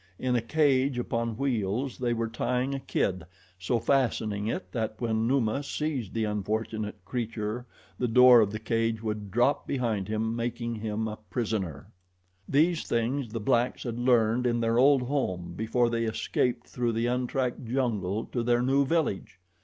In a cage upon wheels they were tying a kid, so fastening it that when Numa seized the unfortunate creature, the door of the cage would drop behind him, making him a prisoner. These things the blacks had learned in their old home, before they escaped through the untracked jungle to their new village.